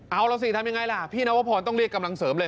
เอาล่ะสิทำยังไงล่ะพี่นวพรต้องเรียกกำลังเสริมเลย